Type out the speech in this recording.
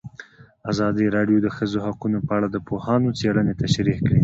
ازادي راډیو د د ښځو حقونه په اړه د پوهانو څېړنې تشریح کړې.